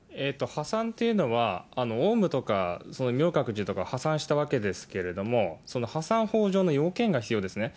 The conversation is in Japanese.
破産というのは、オウムとか、明覚寺とか破産したわけですけれども、破産法上の要件が必要ですね。